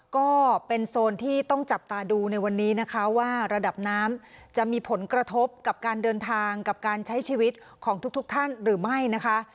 ก็เป็นโซนที่ต้องจับตาดูในวันนี้นะคะว่าระดับน้ำจะมีผลกระทบกับการเดินทางกับการใช้ชีวิตของทุกท่านหรือไม่นะคะ